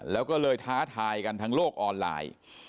แล้วก็เลยท้าทายกันทั้งโลกออนไลน์